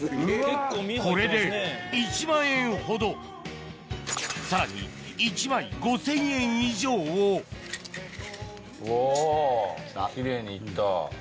これで１万円ほどさらに１枚５０００円以上をおぉ奇麗に行った。